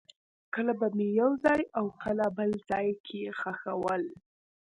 کله به مې یو ځای او کله بل ځای کې خښول.